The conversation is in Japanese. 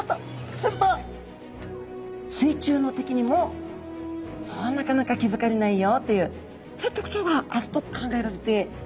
すると水中の敵にもそうなかなか気付かれないよというそういう特徴があると考えられているんですよね。